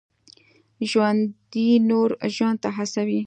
ژوندي نور ژوند ته هڅوي